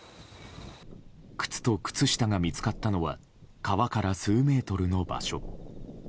靴と靴下が見つかったのは川から数メートルの場所。